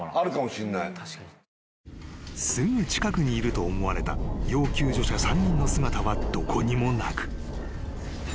［すぐ近くにいると思われた要救助者３人の姿はどこにもなく］